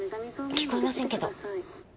聞こえませんけど。